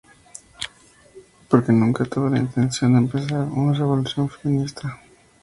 Porque nunca tuve la intención de empezar una revolución feminista.